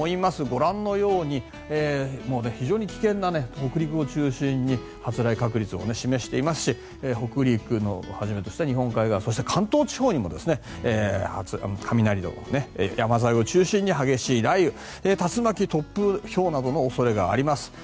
ご覧のように非常に危険な北陸を中心に発雷確率を示していますし北陸をはじめとした日本海側そして関東地方にも、雷山沿いを中心に激しい雷雨、竜巻、突風ひょうなどの恐れがあります。